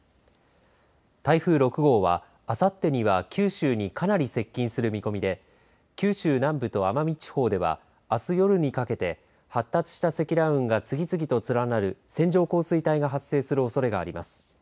台風６号はあさってには九州にかなり接近する見込みで九州南部と奄美地方ではあす夜にかけて発達した積乱雲が次々と連なる線状降水帯が発生するおそれがあります。